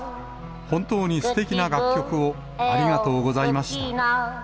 本当にすてきな楽曲をありがとうございました。